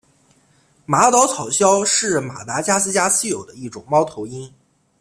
马岛草鸮是马达加斯加稀有的一种猫头鹰。